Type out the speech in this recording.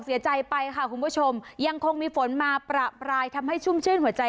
เสียใจไปค่ะคุณผู้ชมยังคงมีฝนมาประปรายทำให้ชุ่มชื่นหัวใจ